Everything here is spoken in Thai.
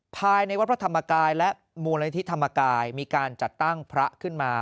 ภายในวัดพระธรรมกายและมูลนิธิธรรมกายมีการจัดตั้งพระขึ้นมา